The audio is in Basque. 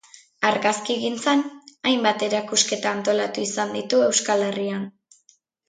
Argazkigintzan, hainbat erakusketa antolatu izan ditu Euskal Herrian.